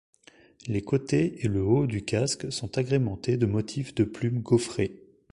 Les côtés et le haut du casque sont agrémentés de motifs de plumes gaufrés.